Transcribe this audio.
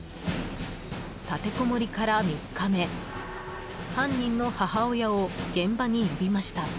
立てこもりから３日目犯人の母親を現場に呼びました。